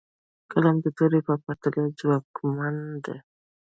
قلم د تورې په پرتله ډېر ځواکمن دی.